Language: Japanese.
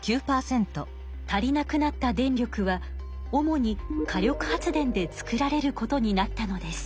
足りなくなった電力は主に火力発電で作られることになったのです。